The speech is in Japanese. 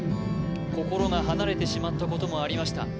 心が離れてしまったこともありました